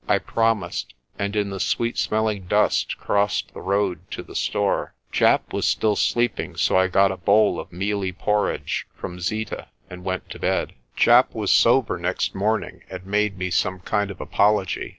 I promised, and in the sweet smelling dust crossed the road to the store. Japp was still sleeping, so I got a bowl of mealie porridge from Zeeta and went to bed. Japp was sober next morning and made me some kind of apology.